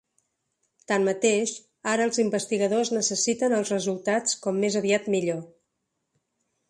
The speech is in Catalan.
Tanmateix, ara els investigadors necessiten els resultats com més aviat millor.